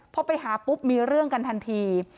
พอไปหาปุ๊บมีเรื่องกันทันที